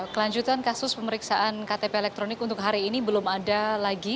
kelanjutan kasus pemeriksaan ktp elektronik untuk hari ini belum ada lagi